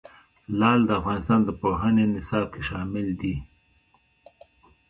لعل د افغانستان د پوهنې نصاب کې شامل دي.